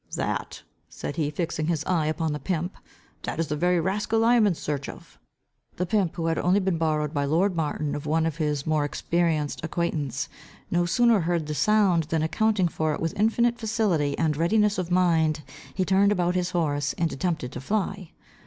"That," said he, fixing his eye upon the pimp, "that is the very rascal I am in search of." The pimp, who had only been borrowed by lord Martin of one of his more experienced acquaintance, no sooner heard the sound, than, accounting for it with infinite facility and readiness of mind, he turned about his horse, and attempted to fly.